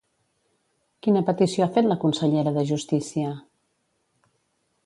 Quina petició ha fet la consellera de Justícia?